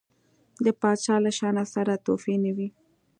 د پاچا له شانه سره تحفې نه وي.